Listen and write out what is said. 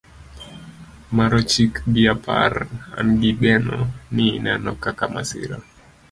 Mar ochiko gi apar an gi geno ni ineno kaka masira